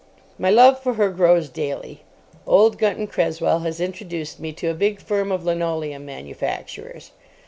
My love for her grows daily. Old Gunton Cresswell has introduced me to a big firm of linoleum manufacturers.